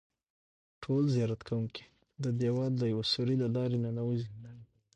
ټول زیارت کوونکي د دیوال د یوه سوري له لارې ننوځي.